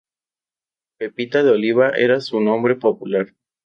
Pepita de Oliva era su nombre popular.